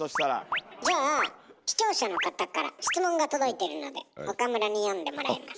じゃあ視聴者の方から質問が届いてるので岡村に読んでもらいます。